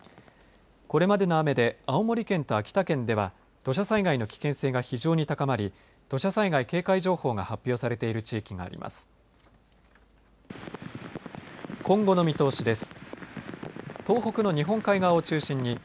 これまでの雨で青森県と秋田県では土砂災害の危険性が非常に高まり土砂災害警戒情報が発表されている地域があります。